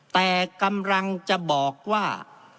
แต่กำลังจะบอกว่า